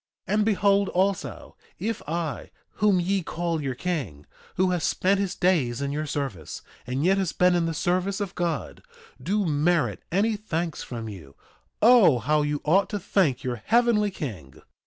2:19 And behold also, if I, whom ye call your king, who has spent his days in your service, and yet has been in the service of God, do merit any thanks from you, O how you ought to thank your heavenly King!